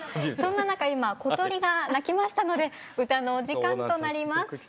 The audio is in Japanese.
そんな中今小鳥が鳴きましたので歌のお時間となります。